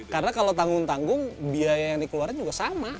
karena kalau tanggung tanggung biaya yang dikeluarkan juga sama